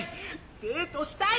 デートしたい！！